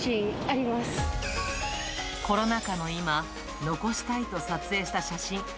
コロナ禍の今、残したいと撮影した写真。